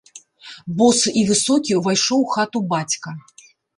Босы і высокі ўвайшоў у хату бацька.